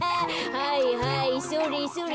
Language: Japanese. はいはいそれそれ。